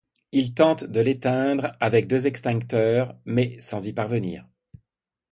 Il tente de l'éteindre avec deux extincteurs, mais sans y parvenir.